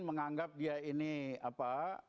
menganggap dia ini apa